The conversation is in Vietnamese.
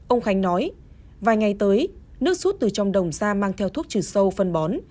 ông khánh nói vài ngày tới nước suốt từ trong đồng ra mang theo thuốc trừ sâu phân bón